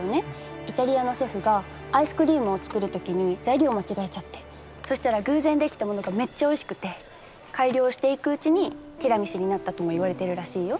イタリアのシェフがアイスクリームを作る時に材料を間違えちゃってそしたら偶然出来たものがめっちゃおいしくて改良していくうちにティラミスになったともいわれてるらしいよ。